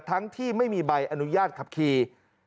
ทั้งที่ไม่มีใบอนุญาตขับขี่